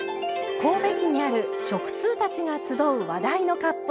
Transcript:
神戸市にある食通たちが集う話題の割烹。